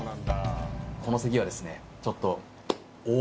この席はですねちょっと。